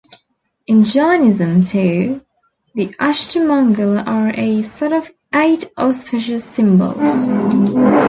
In Jainism too, the Ashtamangala are a set of eight auspicious symbols.